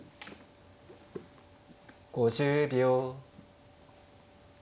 ５０秒。